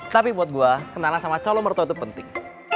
tapi buat gue kenalan sama cowo lo mertu itu penting